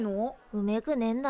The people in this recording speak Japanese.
うめくねんだ。